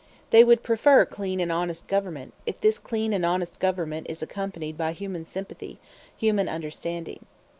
They would prefer clean and honest government, if this clean and honest government is accompanied by human sympathy, human understanding.